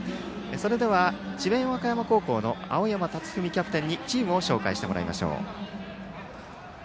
それでは智弁和歌山の青山達史キャプテンにチームを紹介してもらいましょう。